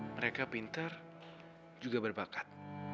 mereka pintar juga berbakat